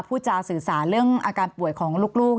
พูดจาสื่อสารเรื่องอาการป่วยของลูก